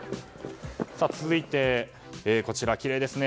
続いて、こちらきれいですね。